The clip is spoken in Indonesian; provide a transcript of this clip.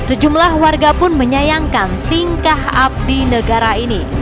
sejumlah warga pun menyayangkan tingkah abdi negara ini